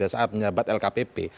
saat menyebat lkpp